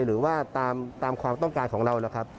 หรือว่าตามความต้องการของเราล่ะครับ